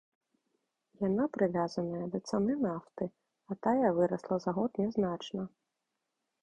Яна прывязаная да цаны нафты, а тая вырасла за год нязначна.